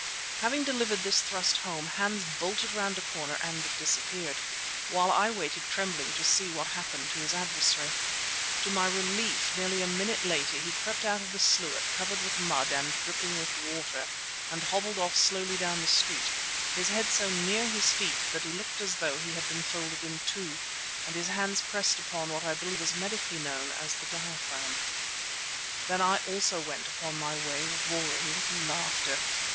Having delivered this home thrust Hans bolted round a corner and disappeared, while I waited trembling to see what happened to his adversary. To my relief nearly a minute later he crept out of the sluit covered with mud and dripping with water and hobbled off slowly down the street, his head so near his feet that he looked as though he had been folded in two, and his hands pressed upon what I believe is medically known as the diaphragm. Then I also went upon my way roaring with laughter.